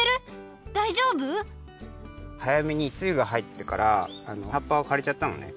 だいじょうぶ？はやめにつゆがはいったからはっぱがかれちゃったのね。